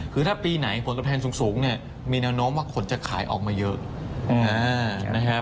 คือถ้าปีไหนผลตอบแทนสูงเนี่ยมีแนวโน้มว่าคนจะขายออกมาเยอะนะครับ